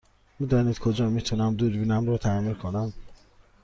می دانید کجا می تونم دوربینم را تعمیر کنم؟